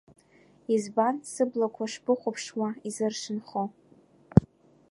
Избан, сыблақәа шбыхәаԥшуа изыршанхо?!